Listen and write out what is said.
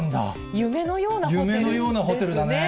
夢のようなホテルですね。